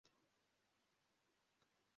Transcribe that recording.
Umugabo yicaye iruhande rw'icyapa kibengerana